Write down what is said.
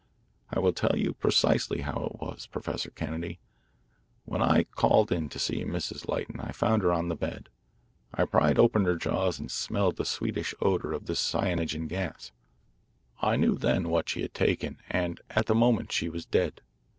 " I will tell you precisely how it was, Professor Kennedy. When I was called in to see Miss Lytton I found her on the bed. I pried open her jaws and smelled the sweetish odour of the cyanogen gas. I knew then what she had taken, and at the moment she was dead.